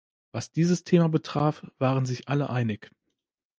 Was dieses Thema betraf, waren sich alle einig.